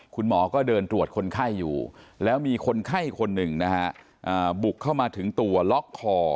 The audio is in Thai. คุณหมอก็เดินตรวจคนไข้อยู่แล้วมีคนไข้คนหนึ่งนะฮะบุกเข้ามาถึงตัวล็อกคอ